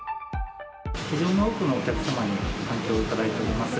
非常に多くのお客様に反響をいただいております。